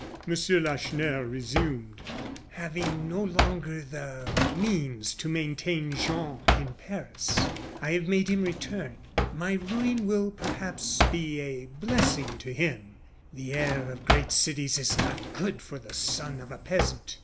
M. Lacheneur resumed: "Having no longer the means to maintain Jean in Paris, I have made him return. My ruin will, perhaps, be a blessing to him. The air of great cities is not good for the son of a peasant.